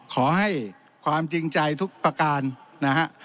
ขอให้ความจริงใจทุกประการนะฮะ